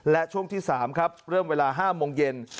และช่วงที่๓ครับเริ่มเวลา๕โมงเย็น